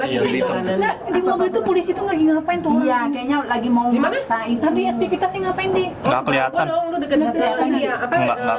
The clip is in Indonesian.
ya lagi kami tinggiutilisir lagi ngapain tuh vocal lagi mau